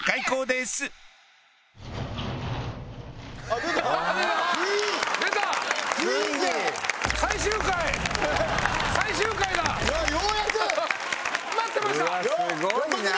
すごいな！